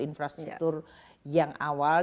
infrastruktur yang awal